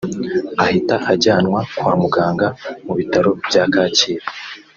ahita ajyanwa kwa muganga mu bitaro bya Kacyiru